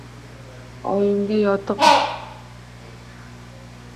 Oyimga yotig`i bilan tushuntir